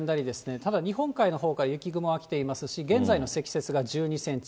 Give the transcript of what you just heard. ただ、日本海のほうから雪雲は来ていますし、現在の積雪が１２センチ。